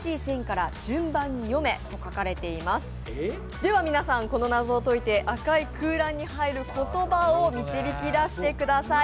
では皆さん、この謎を解いて、赤い空欄に入る言葉を導き出してください。